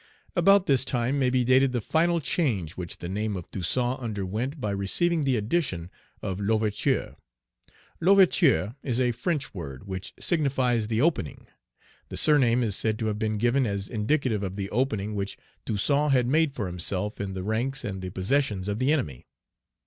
About this time may be dated the final change which the name of Toussaint underwent by receiving the addition of L'Ouverture. L'Ouverture is a French word, which signifies the opening. The surname is said to have been given as indicative of the opening which Toussaint had made for himself in the ranks and the possessions of the enemy.